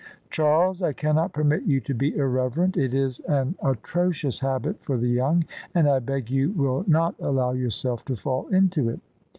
" Charles, I cannot permit you to be irreverent : it is an atrocious habit for the young, and I beg you will not allow yourself to fall into it."